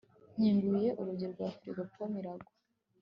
Nkinguye urugi rwa firigo pome iragwa